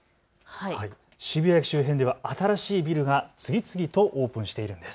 渋谷駅周辺では新しいビルが次々とオープンしているんです。